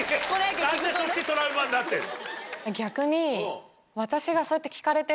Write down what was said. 何でそっちトラウマになってんの。